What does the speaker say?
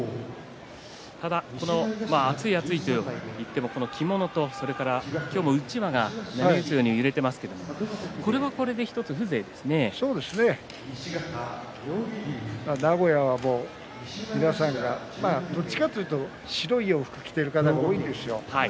ただ暑い暑いと言ってもこの着物と今日もうちわが波打つように揺れていますがそうですね、名古屋はもう皆さんがどちらかというと白い洋服を着ている方が多いですよ。